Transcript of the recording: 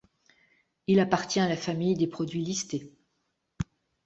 Il appartient à la famille des produits listés.